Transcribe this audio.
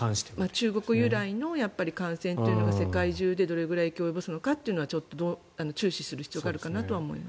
中国由来の感染というのが世界中でどれくらい影響を及ぼすのかは注視する必要があるかなと思います。